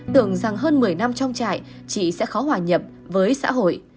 tưởng rằng hơn một mươi năm trong trại chị sẽ khó hòa nhập với xã hội